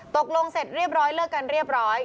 ตกลงเสร็จเรียบร้อยเลิกกันเรียบร้อย